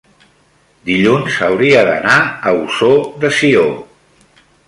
dilluns hauria d'anar a Ossó de Sió.